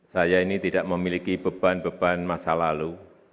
saya ini tidak memiliki beban beban masa lalu